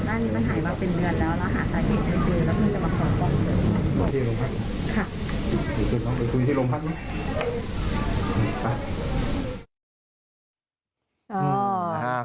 อันนี้คือที่มาเอาอะไรละครับ